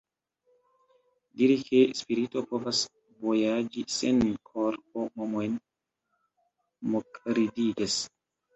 Diri ke spirito povas vojaĝi sen korpo homojn mokridigas.